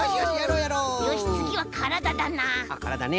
よしつぎはからだだな。